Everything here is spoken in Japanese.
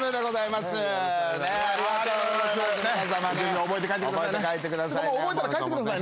まだいてください。